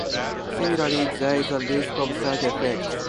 Similarly, there is a risk of side effects.